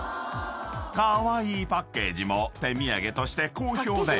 ［カワイイパッケージも手土産として好評で］